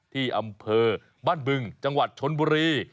ที่อำเภอบ้านบึงจังหวัดชนบุรี